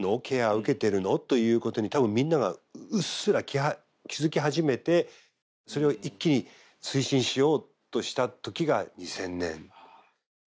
ケア受けてるの？ということに多分みんながうっすら気付き始めてそれを一気に推進しようとした時が２０００年。